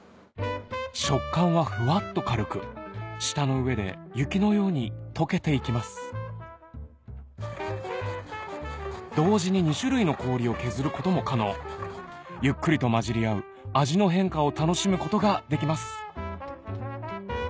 食感はふわっと軽く舌の上で雪のように溶けて行きます同時に２種類の氷を削ることも可能ゆっくりと混じり合う味の変化を楽しむことができます